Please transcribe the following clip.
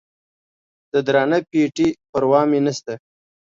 د درانه پېټي پروا مې نسته